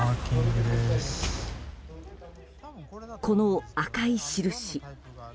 この赤い印。